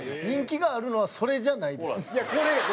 人気があるのはそれじゃないです。